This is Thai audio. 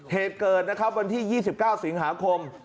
เหตุเกิดนะครับวันที่๒๙สิงหาคม